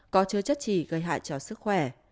có chứa chất chỉ gây hại cho sức khỏe